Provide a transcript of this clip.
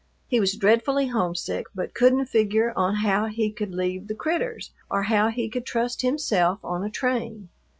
He was dreadfully homesick, but couldn't figure on how he could leave the "critters," or how he could trust himself on a train.